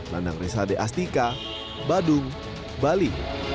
landang resade astika badung bali